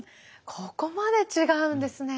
ここまで違うんですね。